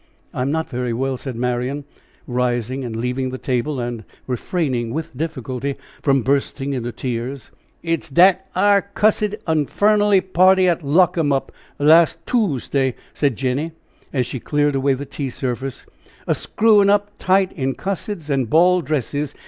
"I am not very well," said Marian, rising and leaving the table, and refraining with difficulty from bursting into tears. "It's dat ar cussed infunnelly party at Lockemup last Toosday!" said Jenny, as she cleared away the tea service "a screwin' up tight in cusseds an' ball dresses!